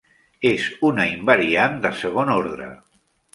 És una invariant de segon ordre.